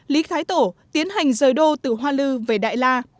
lý khái tổ tiến hành rời đô từ hoa lư về đại la